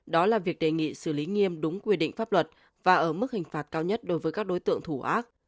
đó là việc đề nghị xử lý nghiêm đúng quy định pháp luật và ở mức hình phạt cao nhất đối với các đối tượng thủ ác